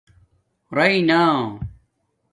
رَی نا